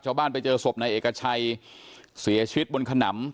ชาวบ้านไปเจอศพในเอกชัยเสียชีวิตบนขนำ